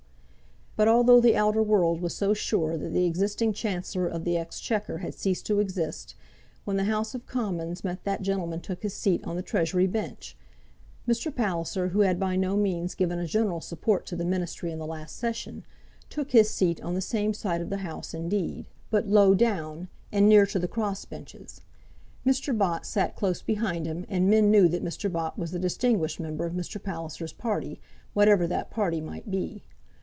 But although the outer world was so sure that the existing Chancellor of the Exchequer had ceased to exist, when the House of Commons met that gentleman took his seat on the Treasury Bench. Mr. Palliser, who had by no means given a general support to the Ministry in the last Session, took his seat on the same side of the House indeed, but low down, and near to the cross benches. Mr. Bott sat close behind him, and men knew that Mr. Bott was a distinguished member of Mr. Palliser's party, whatever that party might be.